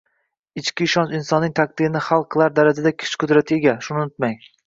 Ichki ishonch insonning taqdirini hal qilar darajada kuch-qudratga ega, shuni unutmang